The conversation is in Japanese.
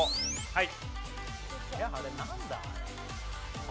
はい。